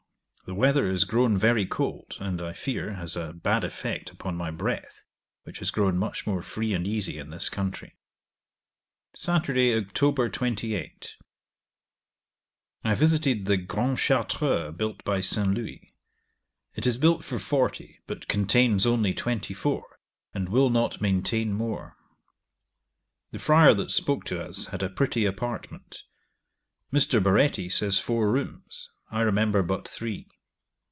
The weather is grown very cold, and I fear, has a bad effect upon my breath, which has grown much more free and easy in this country. 'Sat. Oct. 28. I visited the Grand Chartreux built by St. Louis. It is built for forty, but contains only twenty four, and will not maintain more. The friar that spoke to us had a pretty apartment. Mr. Baretti says four rooms; I remember but three.